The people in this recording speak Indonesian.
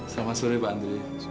selamat sore pak andri